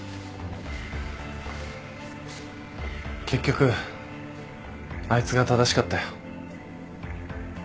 結局あいつが正しかったよ。